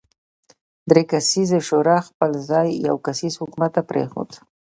درې کسیزې شورا خپل ځای یو کسیز حکومت ته پرېښود.